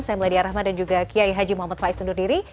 saya meladya rahman dan juga qiyai haji muhammad faiz undur diri